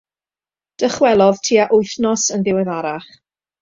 Dychwelodd tua wythnos yn ddiweddarach.